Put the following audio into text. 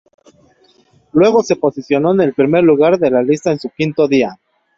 Luego se posicionó en el primer lugar de la lista en su quinto día.